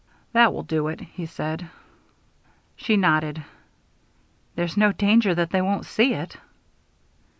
"That will do it," he said. She nodded. "There's no danger that they won't see it."